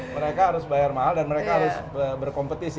mereka harus bayar mahal dan mereka harus berkompetisi